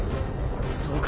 そうか！